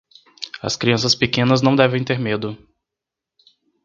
As crianças pequenas não devem ter medo.